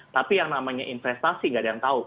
tapi yang namanya investasi gak ada yang tahu